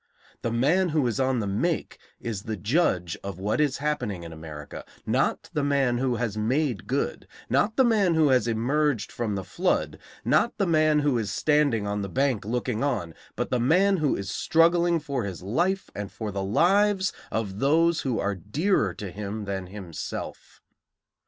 The man who is on the make is the judge of what is happening in America, not the man who has made good; not the man who has emerged from the flood; not the man who is standing on the bank looking on, but the man who is struggling for his life and for the lives of those who are dearer to him than himself.